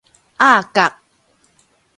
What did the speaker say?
鴨鵤